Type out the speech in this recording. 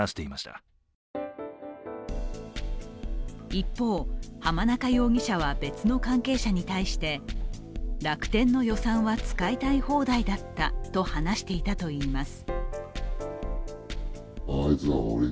一方、浜中容疑者は別の関係者に対して楽天の予算は使いたい放題だったと話していたといいます。